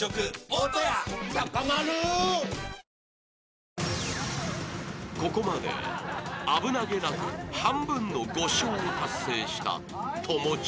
ピンポーン［ここまで危なげなく半分の５笑を達成した友近］